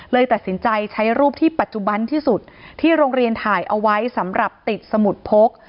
เลยตัดสินใจใช้รูปที่ปัจจุบันที่สุดที่โรงเรียนถ่ายเอาไว้สำหรับติดสมุดพก